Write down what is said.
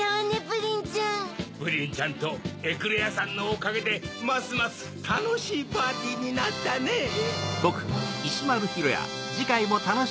プリンちゃんとエクレアさんのおかげでますますたのしいパーティーになったねぇ。